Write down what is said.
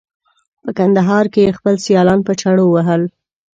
په کندهار کې یې خپل سیالان په چړو وهل.